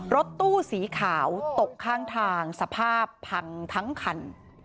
รถตู้สีขาวตกข้างทางสภาพพังทั้งคัน